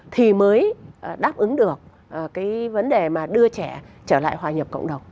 thì mới đáp ứng được cái vấn đề mà đưa trẻ trở lại hòa nhập cộng đồng